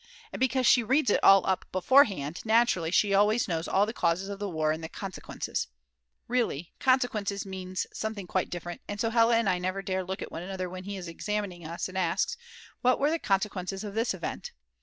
And because she reads it all up beforehand, naturally she always knows all the causes of the war and the consequences. Really consequences means something quite different, and so Hella and I never dare look at one another when he is examining us and asks: What were the consequences of this event?